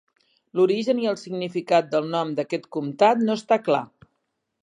L'origen i el significat del nom d'aquest comtat no està clar.